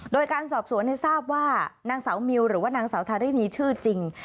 โดยการสอบสวนทราบว่านางสาวมิวหรือว่านางสาวทารินีชื่อจริง